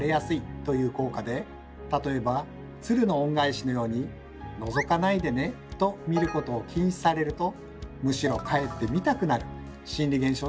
例えば「鶴の恩返し」のように「のぞかないでね」と見ることを禁止されるとむしろかえって見たくなる心理現象のことを言います。